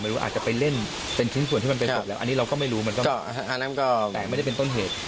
อาจจะไปเล่นเป็นชิ้นส่วนที่มันเป็นศพแล้วอันนี้เราก็ไม่รู้มันก็อันนั้นก็แต่ไม่ได้เป็นต้นเหตุ